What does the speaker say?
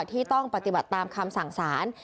ที่ต้องปฏิบัติตามคำสั่งสาร